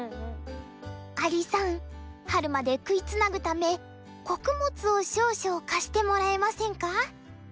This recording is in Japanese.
「アリさん春まで食いつなぐため穀物を少々貸してもらえませんか？